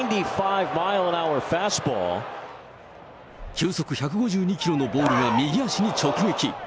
球速１５２キロのボールが右足に直撃。